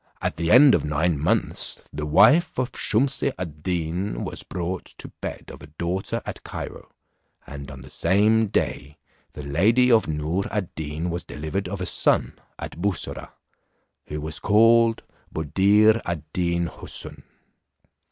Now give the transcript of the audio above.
At the end of nine months the wife of Shumse ad Deen was brought to bed of a daughter at Cairo, and on the same day the lady of Noor ad Deen was delivered of a son at Bussorah, who was called Buddir ad Deen Houssun.